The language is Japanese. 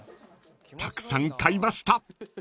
［たくさん買いました］